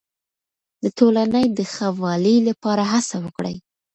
د ټولنې د ښه والي لپاره هڅه وکړئ.